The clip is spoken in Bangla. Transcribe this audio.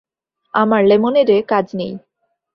আমার লেমনেডে কাজ নেই।